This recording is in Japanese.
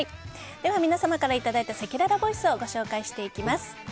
では、皆様からいただいたせきららボイスをご紹介します。